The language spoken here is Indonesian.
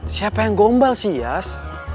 siapa yang gombal sih yas